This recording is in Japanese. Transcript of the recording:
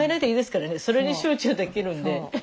それに集中できるんで。